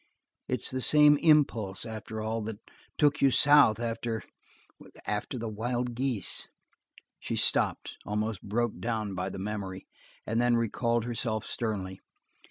It's the same impulse, after all, that took you south after after the wild geese." She stopped, almost broken down by the memory, and then recalled herself sternly.